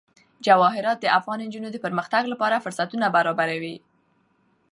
جواهرات د افغان نجونو د پرمختګ لپاره فرصتونه برابروي.